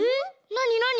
なになに？